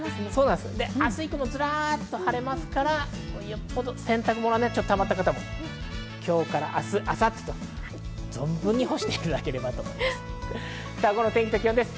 明日以降もずらっと晴れますから、洗濯物たまった方も今日から明日、明後日と存分に干していただければと思います。